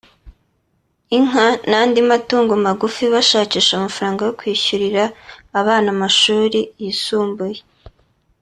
inka n’andi matungo magufi bashakisha amafaranga yo kwishyurira abana amashuri yisumbuye